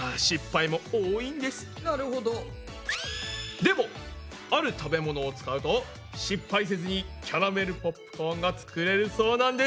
でもある食べ物を使うと失敗せずにキャラメルポップコーンが作れるそうなんです。